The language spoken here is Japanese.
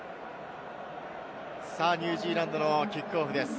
ニュージーランドのキックオフです。